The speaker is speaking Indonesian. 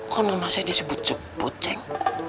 kok namanya saya disebut sebut ceng